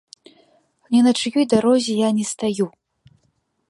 Ні на чыёй дарозе я не стаю.